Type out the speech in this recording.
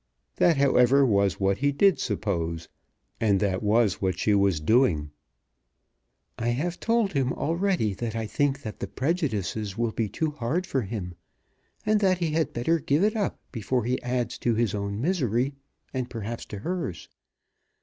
That, however, was what he did suppose, and that was what she was doing. "I have told him already that I think that the prejudices will be too hard for him, and that he had better give it up before he adds to his own misery, and perhaps to hers.